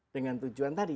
dengan tujuan tadi